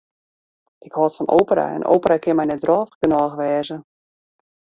Ik hâld fan opera en opera kin my net drôvich genôch wêze.